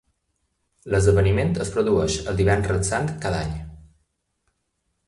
L"esdeveniment es produeix el Divendres Sant cada any.